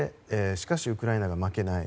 しかしウクライナが負けない。